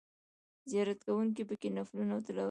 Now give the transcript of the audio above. زیارت کوونکي په کې نفلونه او تلاوتونه کوي.